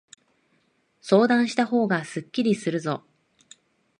相談したほうがすっきりするぞ。